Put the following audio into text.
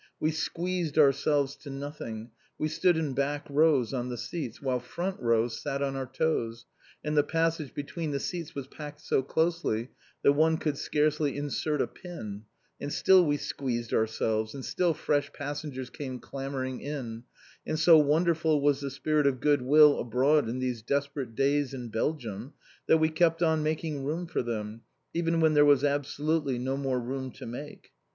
We squeezed ourselves to nothing, we stood in back rows on the seats, while front rows sat on our toes, and the passage between the seats was packed so closely that one could scarcely insert a pin, and still we squeezed ourselves, and still fresh passengers came clambering in, and so wonderful was the spirit of goodwill abroad in these desperate days in Belgium, that we kept on making room for them, even when there was absolutely no more room to make!